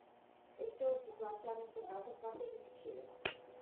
Este o situație amestecată foarte dificilă.